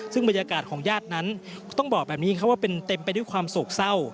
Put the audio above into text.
ซึ่งบรรยากาศของญาตินั้นต้องบอกแบบนี้ครับว่าเป็นเต็มไปด้วยความโศกเศร้า